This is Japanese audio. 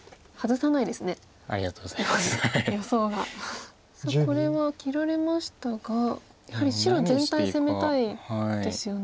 さあこれは切られましたがやはり白全体攻めたいですよね。